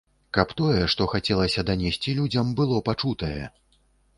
Каб тое, што хацелася данесці людзям, было пачутае!